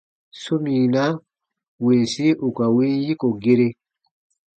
Sominaa winsi ù ka win yiko gere.